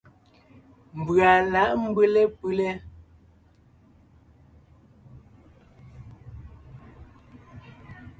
Mbʉ̀a lǎʼ mbʉ́le pʉ́le.